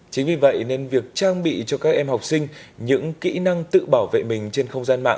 chính vì vậy nên việc trang bị cho các em học sinh những kỹ năng tự bảo vệ mình trên không gian mạng